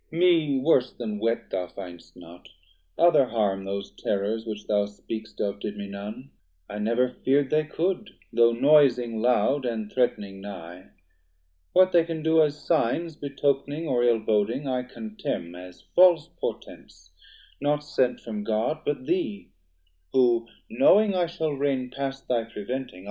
Mee worse then wet thou find'st not; other harm Those terrors which thou speak'st of did me none; I never fear'd they could, though noising loud And threatning nigh; what they can do as signs Betok'ning, or ill boding, I contemn 490 As false portents, not sent from God, but thee; Who knowing I shall raign past thy preventing.